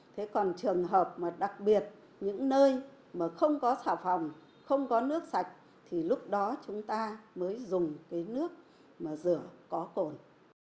thế còn trường hợp mà đặc biệt những nơi mà không có xào phòng không có nước sạch thì lúc đó chúng ta mới dùng cái nước mà rửa có cồn